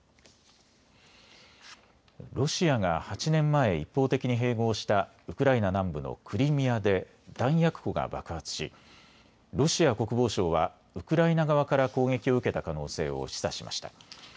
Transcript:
ロシアが８年前、一方的に併合したウクライナ南部のクリミアで弾薬庫が爆発しロシア国防省はウクライナ側から攻撃を受けた可能性を示唆しました。